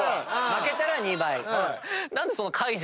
負けたら２倍。